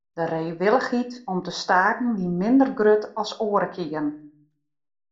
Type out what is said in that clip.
De reewillichheid om te staken wie minder grut as oare kearen.